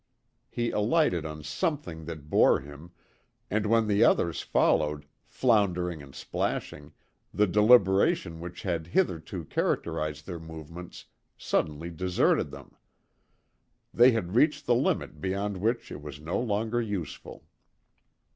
He alighted on something that bore him, and when the others followed, floundering and splashing, the deliberation which had hitherto characterised their movements suddenly deserted them. They had reached the limit beyond which it was no longer useful.